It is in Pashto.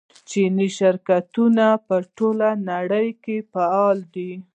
چیني شرکتونه په ټوله نړۍ کې فعال دي.